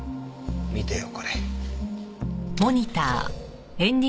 見てよこれ。